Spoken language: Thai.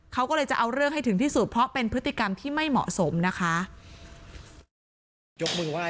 เขาก็เลยจะเอาเรื่องให้ถึงที่สุดเพราะเป็นพฤติกรรมที่ไม่เหมาะสมนะคะ